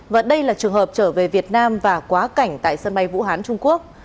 và đây là trường hợp trở về việt nam và quá cảnh tại sân bay vũ hán trung quốc